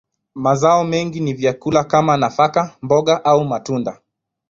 Mazao mengi ni vyakula kama nafaka, mboga, au matunda.